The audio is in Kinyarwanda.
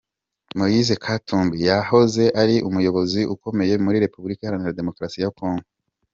Moise Katumbi, yahoze ari umuyobozi ukomeye muri Republika iharanira demokarasi ya kongo.